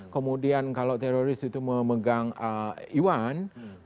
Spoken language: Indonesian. kemudian kalau teroris itu memegang iwan